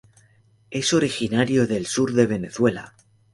Es originario del sur de Venezuela.